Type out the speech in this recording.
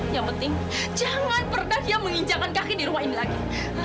yang penting jangan pernah dia menginjakan kaki di rumah ini lagi